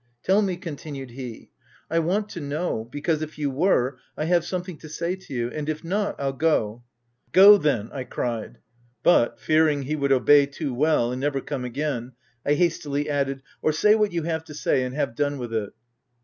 " Tell me," continued he —" I want to know, — because, if you were, I have something to say to you, — and if not, Fll go." " Go then !" I cried ; but, fearing he would obey too well, and never come again, I hastily added —" Or say what you have to say, and have done with it